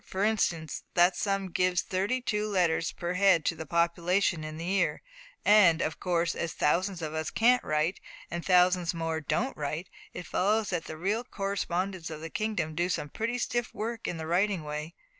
For instance, that sum gives thirty two letters per head to the population in the year; and, of course, as thousands of us can't write, and thousands more don't write, it follows that the real correspondents of the kingdom do some pretty stiff work in the writing way.